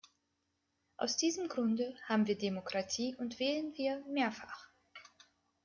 Aus diesem Grunde haben wir Demokratie und wählen wir mehrfach.